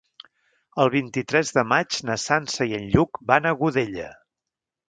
El vint-i-tres de maig na Sança i en Lluc van a Godella.